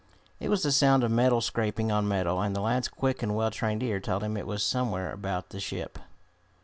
It was the sound of metal scraping on metal, and the lad's quick and well trained ear told him it was somewhere about the ship.